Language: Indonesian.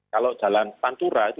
kalau jalan pantura itu